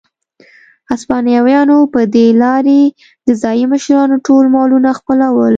هسپانویانو په دې لارې د ځايي مشرانو ټول مالونه خپلول.